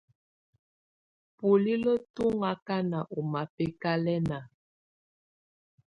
Bulilǝ́ tù ɔŋ akana ɔ mabɛkalɛna.